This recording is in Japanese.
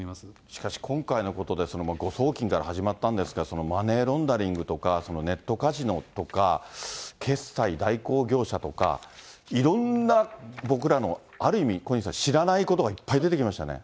しかし今回のことで、誤送金から始まったんですが、マネーロンダリングとか、そのネットカジノとか、決済代行業者とか、いろんな僕らのある意味、小西さん、知らないことがいっぱい出てきましたね。